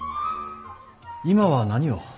今は何を。